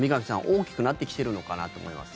大きくなってきてるのかなと思います。